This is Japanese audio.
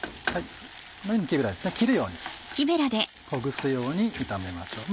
切るようにほぐすように炒めましょう。